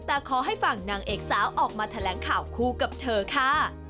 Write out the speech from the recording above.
แต่ขอให้ฝั่งนางเอกสาวออกมาแถลงข่าวคู่กับเธอค่ะ